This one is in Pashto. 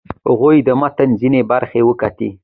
هغه د متن ځینې برخې وکتلې.